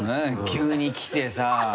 急に来てさ。